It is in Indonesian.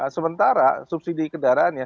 sementara subsidi kendaraannya